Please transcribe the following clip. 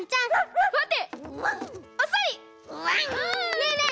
ねえねえ